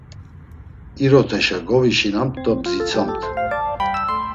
İroteşa govişinamt do dzitsamt.